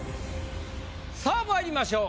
さあまいりましょう。